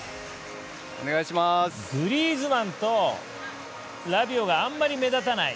グリーズマンとラビオがあまり目立たない。